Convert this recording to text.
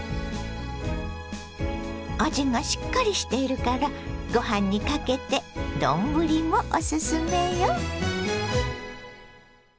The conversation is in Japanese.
味がしっかりしているからごはんにかけて丼もオススメよ。